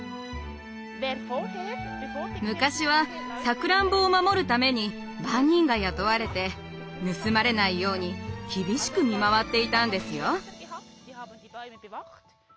昔はさくらんぼを守るために番人が雇われて盗まれないように厳しく見回っていたんですよ。